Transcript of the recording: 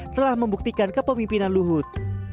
kepada kepemimpinan luhut